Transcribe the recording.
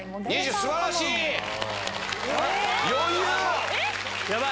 すばらしい！